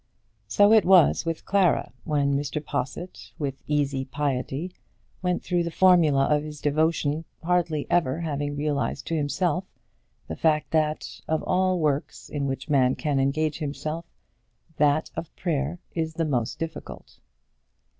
So it was with Clara, when Mr. Possitt, with easy piety, went through the formula of his devotion, hardly ever having realised to himself the fact that, of all works in which man can engage himself, that of prayer is the most difficult.